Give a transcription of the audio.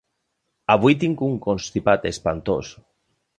Avui tinc un constipat espantós.